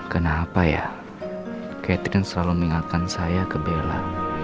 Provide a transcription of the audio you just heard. kenapa ya catherine selalu mengingatkan saya ke bella